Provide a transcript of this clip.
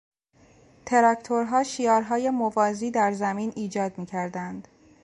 تراکتورها شیارهای موازی در زمین ایجاد میکردند.